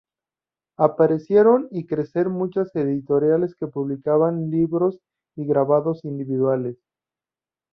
Aparecieron y crecer muchas editoriales que publicaban libros y grabados individuales.